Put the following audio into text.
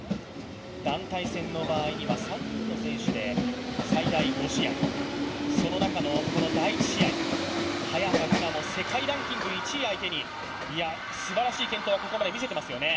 団体戦の場合には３人の選手で最大５試合、その中の第１試合、早田ひなも世界ランキング１位相手にすばらしい健闘をここまで見せていますよね。